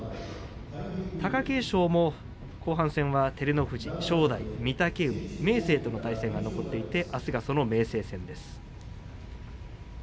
貴景勝も後半戦は照ノ富士、正代御嶽海、明生との取組が残っていて、あすは明生戦です。